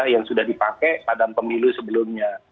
yang sudah dipakai pada pemilu sebelumnya